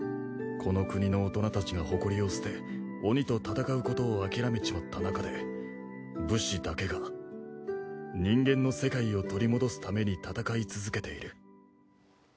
この国の大人たちが誇りを捨て鬼と戦うことを諦めちまったなかで武士だけが人間の世界を取り戻すために戦い続けている。